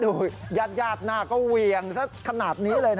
โอ้โฮและดูยาดน่าก็เวียงสักขนาดนี้เลยนะ